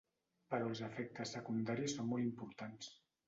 Però els efectes secundaris són molt importants.